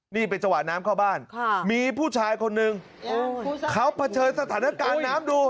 นี่เป็นจังหวะน้ำเข้าบ้านมีผู้ชายคนนึงเขาเผชิญสถานการณ์น้ำดู